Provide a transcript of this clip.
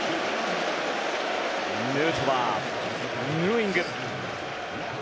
ヌートバー、ヌーイング。